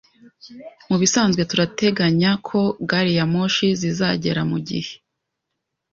Mubisanzwe turateganya ko gari ya moshi zizagera mugihe.